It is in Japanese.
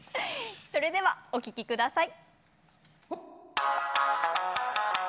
それではお聴き下さい。